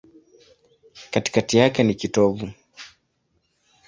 Katikati yake ni kitovu.